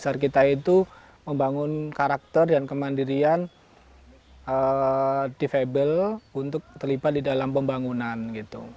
dasar kita itu membangun karakter dan kemandirian defable untuk terlibat di dalam pembangunan gitu